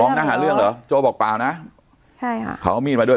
น่าหาเรื่องเหรอโจ้บอกเปล่านะใช่ค่ะเขาเอามีดมาด้วย